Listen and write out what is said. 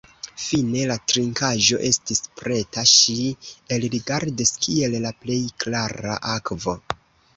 Fine la trinkaĵo estis preta; ŝi elrigardis kiel la plej klara akvo.